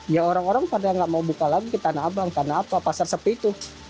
ya orang orang pada nggak mau buka lagi ke tanah abang karena apa pasar sepi itu